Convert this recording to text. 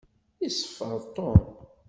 Iṣeffer Tom.